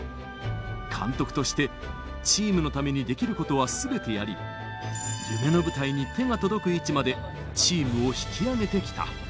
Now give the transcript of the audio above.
監督としてチームのためにできることはすべてやり、夢の舞台に手が届く位置までチームを引き上げてきた。